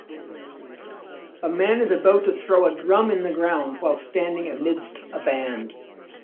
A man is about to throw a drum in the ground while standing amidst a band